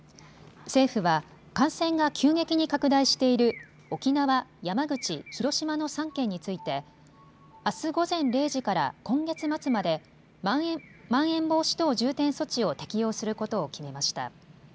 政府は感染が急激に拡大している沖縄、山口、広島の３県についてあす午前０時から今月末までまん延防止等重点措置を適用することを決めました。